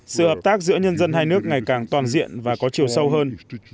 sự hợp tác giữa nhân dân hai nước ngày càng toàn diện và có chiều sâu hơn